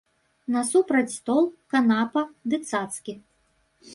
Насупраць стол, канапа ды цацкі.